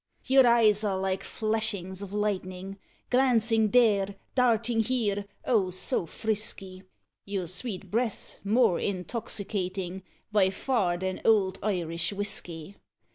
Your eyes are like flashings of lightning, Glancing there, darting here, oh! so frisky; Your sweet breath's more intoxicating By far than old Irish whisky!